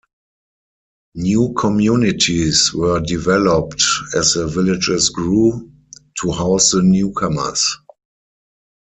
New communities were developed as the villages grew, to house the newcomers.